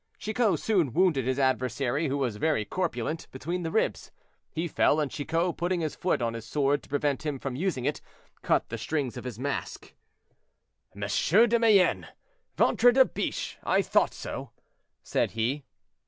Chicot soon wounded his adversary, who was very corpulent, between the ribs; he fell, and Chicot, putting his foot on his sword to prevent him from using it, cut the strings of his mask. "M. de Mayenne! ventre de biche, I thought so," said he.